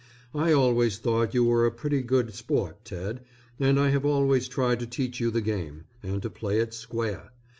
I always thought you were a pretty good sport Ted, and I have always tried to teach you the game, and to play it square.